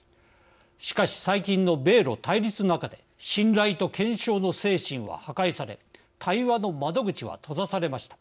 しかし、最近の米ロ対立の中で信頼と検証の精神は破壊され対話の窓口は閉ざされました。